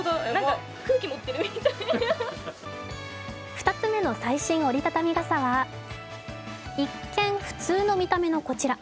２つ目の最新折り畳み傘は一見、普通の見た目のこちら。